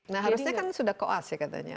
nah harusnya kan sudah koas ya katanya